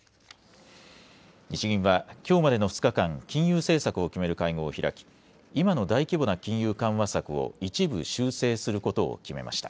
日銀はきょうまでの２日間、金融政策を決める会合を開き今の大規模な金融緩和策を一部修正することを決めました。